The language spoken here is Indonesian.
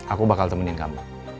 aku bakal temenin kamu